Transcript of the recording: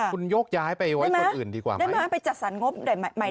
คุณยกย้าให้ไว้คนอื่นดีกว่าไหม